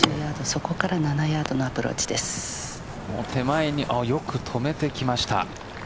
そこから７ヤードの手前によく止めてきました。